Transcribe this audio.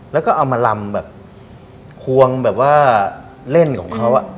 แล้วก็เอามาลำแบบควงแบบว่าเล่นของเขา